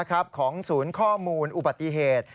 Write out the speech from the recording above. ของศูนย์ข้อมูลอุบัติเหตุ